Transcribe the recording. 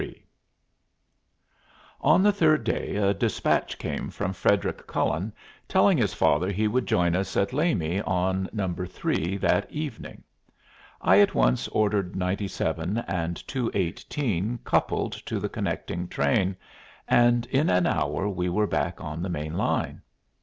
3 On the third day a despatch came from Frederic Cullen telling his father he would join us at Lamy on No. 3 that evening. I at once ordered 97 and 218 coupled to the connecting train, and in an hour we were back on the main line.